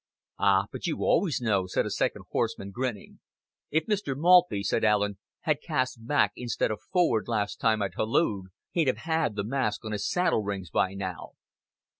"Ah, but you always know," said a second horseman, grinning. "If Mr. Maltby," said Allen, "had cast back instead of forward last time I holloa'd, he'd have had the mask on his saddle rings by now."